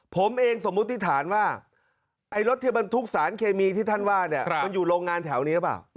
ผมเองสมมุติฐานว่าไอ้รถที่บรรทุกสารเคมีที่ท่านว่าเนี่ยมันอยู่โรงงานแถวนี้หรือเปล่า